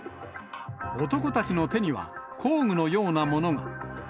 男たちの手には、工具のようなものが。